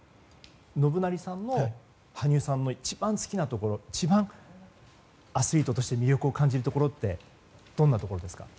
信成さんの羽生さんの一番好きなところ一番アスリートとして魅力を感じるところはどんなところですか。